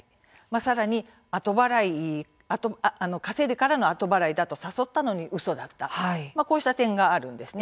さらに稼いでからの後払いだと誘ったのにうそだったこうした点があるんです。